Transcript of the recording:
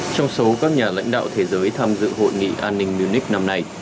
trong số các nhà lãnh đạo thế giới tham dự hội nghị an ninh munich năm nay